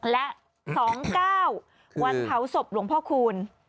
และ๒๙วันเผาศพหลวงพ่อคูณ